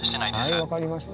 はい分かりました。